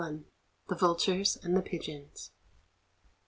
THE VULTURES AND THE PIGEONS.